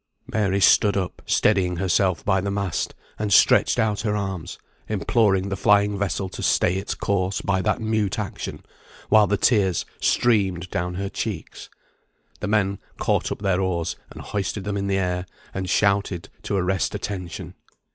Mary stood up, steadying herself by the mast, and stretched out her arms, imploring the flying vessel to stay its course by that mute action, while the tears streamed down her cheeks. The men caught up their oars and hoisted them in the air, and shouted to arrest attention.